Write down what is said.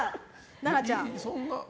奈々ちゃん。